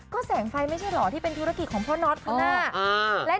ก็แสงไฟไม่ใช่เหรอที่เป็นธุรกิจของพ่อน็อตเขาน่ะ